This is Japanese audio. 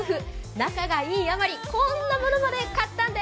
仲がいいあまり、こんなものまで買ったんです。